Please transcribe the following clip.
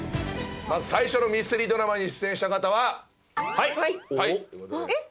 まず最初のミステリードラマに出演した方ははいえっ？